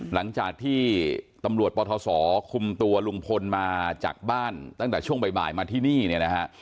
หลังจากที่ปศคุมตัวลุงพลมาจากบ้านตั้งแต่ช่วงบ่ายมาที่นี่นะฮะ